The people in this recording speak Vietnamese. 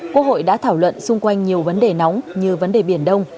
quốc hội đã thảo luận xung quanh nhiều vấn đề nóng như vấn đề biển đông